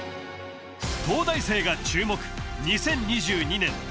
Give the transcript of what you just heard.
東大生が注目２０２２年